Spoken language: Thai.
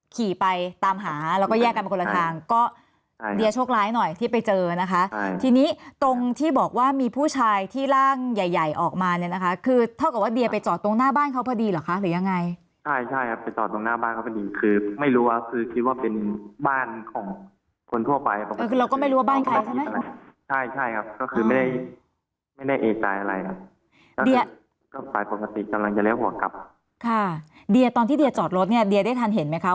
ขี่ไปตามหาแล้วก็แยกกันไปคนละทางก็เดียวโชคล้ายหน่อยที่ไปเจอนะคะทีนี้ตรงที่บอกว่ามีผู้ชายที่ร่างใหญ่ออกมาเนี่ยนะคะคือเท่ากับว่าเดียไปจอดตรงหน้าบ้านเขาพอดีหรอคะหรือยังไงใช่ครับไปจอดตรงหน้าบ้านเขาพอดีคือไม่รู้อะคือคิดว่าเป็นบ้านของคนทั่วไปเราก็ไม่รู้ว่าบ้านใครใช่ไหมใช่ครับก็คือไม่ได้เอจรายอะไร